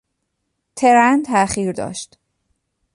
ترن تاخیر داشت.